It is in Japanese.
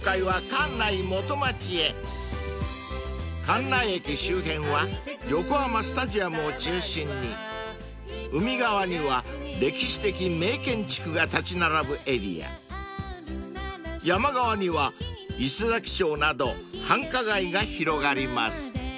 ［関内駅周辺は横浜スタジアムを中心に海側には歴史的名建築が立ち並ぶエリア山側には伊勢佐木町など繁華街が広がります］